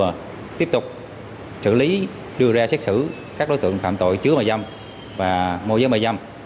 và tiếp tục xử lý đưa ra xét xử các đối tượng phạm tội chứa mại dâm và môi giới mại dâm